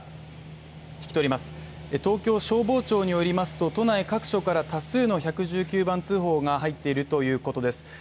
東京消防庁によりますと都内各所から多数の１１９番通報が入っているということです